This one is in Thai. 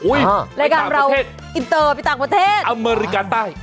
อุ้ยไปต่างประเทศรายการเราอินเตอร์ไปต่างประเทศอเมอริกาใต้